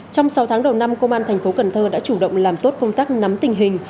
trong sáu tháng đầu năm công an thành phố cần thơ đã chủ động làm tốt công tác nắm tình hình